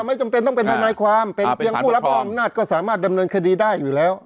ไม่จำเป็นต้องเป็นทนายความเป็นเพียงผู้รับมอบอำนาจก็สามารถดำเนินคดีได้อยู่แล้ว